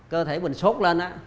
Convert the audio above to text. cơ thể mình sốt lên á